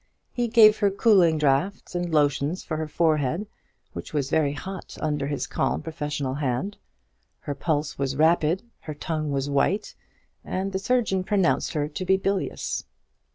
He gave her cooling draughts, and lotions for her forehead, which was very hot under his calm professional hand. Her pulse was rapid, her tongue was white, and the surgeon pronounced her to be bilious.